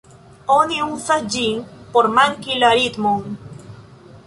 Oni uzas ĝin por marki la ritmon.